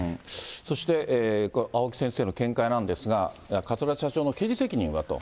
そして青木先生の見解なんですが、桂田社長の刑事責任は？と。